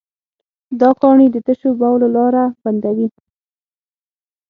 دا کاڼي د تشو بولو لاره بندوي.